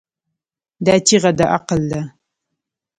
دا چیغه د عقل ده.